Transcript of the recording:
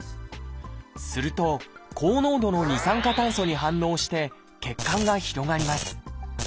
すると高濃度の二酸化炭素に反応して血管が広がります。